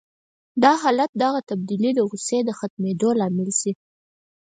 د حالت دغه تبديلي د غوسې د ختمېدو لامل شي.